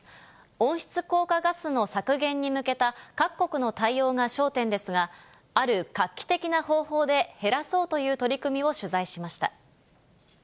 温室効果ガスの削減に向けた各国の対応が焦点ですが、ある画期的な方法で減らそうという取り組みを取材しました。